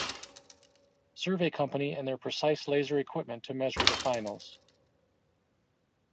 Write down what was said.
Survey company and their precise laser equipment to measure the finals.